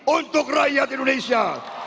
untuk rakyat indonesia